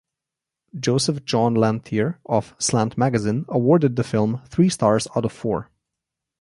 Joseph Jon Lanthier of "Slant Magazine" awarded the film three stars out of four.